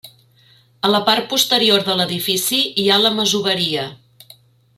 A la part posterior de l'edifici, hi ha la masoveria.